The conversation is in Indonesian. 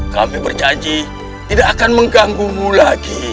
kami berjanji tidak akan mengganggumu lagi